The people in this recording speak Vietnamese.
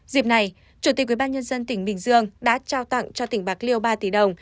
dịp này chủ tịch ubnd tỉnh bình dương đã trao tặng cho tỉnh bạc liêu ba tỷ đồng